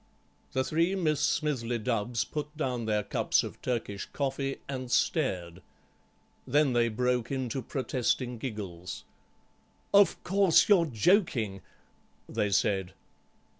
The three Miss Smithly Dubbs put down their cups of Turkish coffee and stared. Then they broke into protesting giggles. "Of course, you're joking," they said.